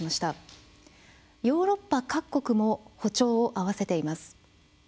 ヨーロッパ各国も歩調を合わせています。